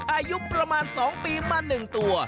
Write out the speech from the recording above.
อายุประมาณสองปีมาหนึ่งตัว